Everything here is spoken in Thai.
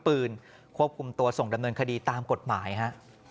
ปืนควบคุมตัวส่งดำเนินคดีตามกฎหมายฮะ